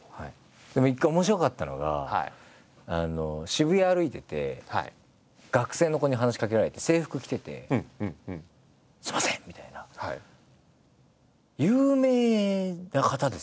でも一回面白かったのが渋谷歩いてて学生の子に話しかけられて制服着てて「すいません！」みたいな「有名な方ですよね？」。